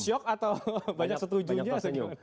syok atau banyak setujunya